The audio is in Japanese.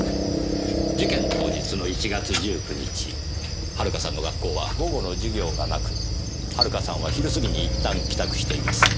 事件当日の１月１９日遥さんの学校は午後の授業がなく遥さんは昼過ぎに一旦帰宅しています。